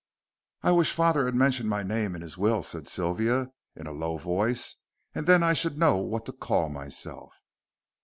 "I wish father had mentioned my name in his will," said Sylvia, in a low voice, "and then I should know what to call myself."